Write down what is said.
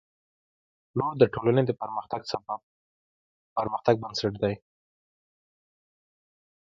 • لور د ټولنې د پرمختګ بنسټ دی.